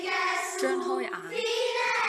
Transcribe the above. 張開眼，